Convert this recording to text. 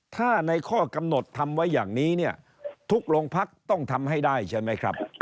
ถ้าในข้อกำหนดทำไว้อย่างนี้เนี่ยทุกโรงพักต้องทำให้ได้ใช่ไหมครับ